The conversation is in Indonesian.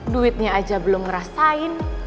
duitnya aja belum ngerasain